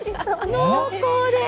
濃厚です。